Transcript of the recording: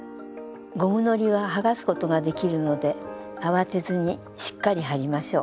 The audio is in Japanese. ゴムのりは剥がすことができるので慌てずにしっかり貼りましょう。